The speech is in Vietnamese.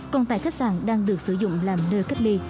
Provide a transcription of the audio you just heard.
còn tại khách sạn đang được sử dụng làm nơi cách ly